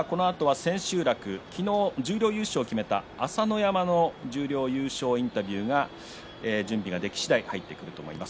昨日、十両優勝を決めた朝乃山のインタビューが準備ができしだい入ってくると思います。